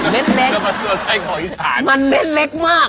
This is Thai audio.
มันเล็กมาก